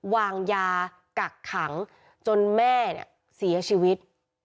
วางยากักขังจนแม่เนี่ยเสียชีวิต